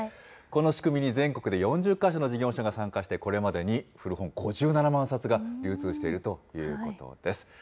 この仕組みに全国で４０か所の事業所が参加して、これまでに古本５７万冊が流通しているということです。